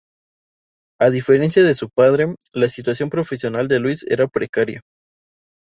A diferencia de su padre, la situación profesional de Luis era precaria.